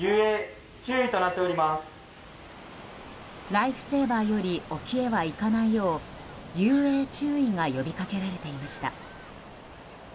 ライフセーバーより沖へは行かないよう遊泳注意が呼びかけられていました。